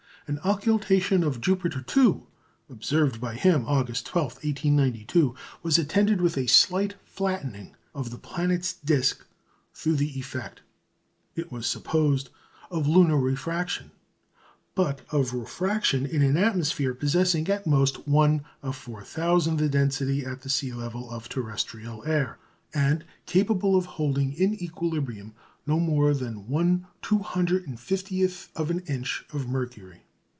An occultation of Jupiter, too, observed by him August 12, 1892, was attended with a slight flattening of the planet's disc through the effect, it was supposed, of lunar refraction but of refraction in an atmosphere possessing, at the most, 1/4000 the density at the sea level of terrestrial air, and capable of holding in equilibrium no more than 1/250 of an inch of mercury.